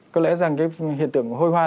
có lẽ rằng cái hiện tượng hôi hoa